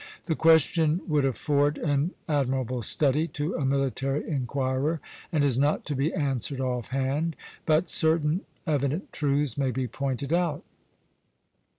The question would afford an admirable study to a military inquirer, and is not to be answered off hand, but certain evident truths may be pointed out.